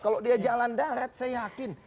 kalau dia jalan darat saya yakin